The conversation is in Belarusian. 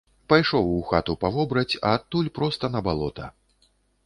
Пайшоў у хату па вобраць, а адтуль проста на балота.